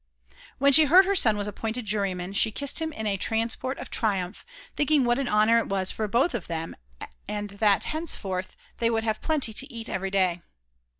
When she heard her son was appointed juryman, she kissed him in a transport of triumph, thinking what an honour it was for both of them and that henceforth they would have plenty to eat every day.